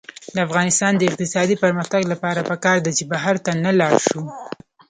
د افغانستان د اقتصادي پرمختګ لپاره پکار ده چې بهر ته نلاړ شو.